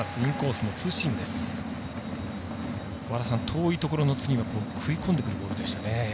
遠いところの次は食い込んでくるボールでしたね。